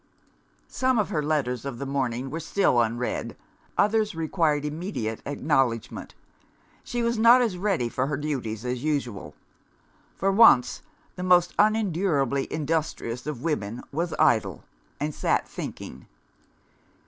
Some of her letters of the morning were still unread, others required immediate acknowledgment. She was not as ready for her duties as usual. For once, the most unendurably industrious of women was idle, and sat thinking.